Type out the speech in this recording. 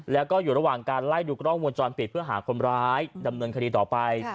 แล้วก็อยู่ระหว่างการไล่ดูกล้องวงจรปิดเพื่อหาคนร้ายดำเนินคดีต่อไป